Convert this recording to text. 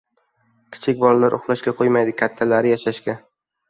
• Kichik bolalar uxlashga qo‘ymaydi, kattalari — yashashga.